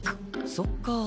そっか。